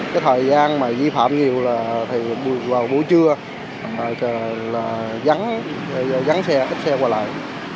cái thời gian mà vi phạm nhiều là bữa trưa giờ là dắn xe xe qua lại